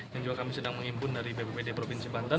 yang juga kami sedang mengimpun dari bppd provinsi banten